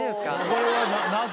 これはなぜ？